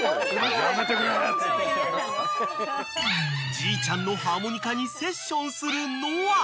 ［じいちゃんのハーモニカにセッションするのあ］